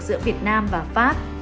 giữa việt nam và pháp